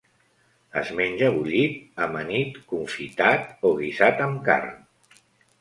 Es menja bullit, amanit, confitat o guisat amb carn.